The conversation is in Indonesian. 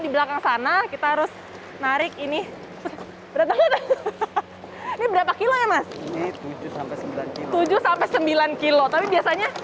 di belakang sana kita harus narik ini berapa kilo ya mas tujuh sembilan kilo tapi biasanya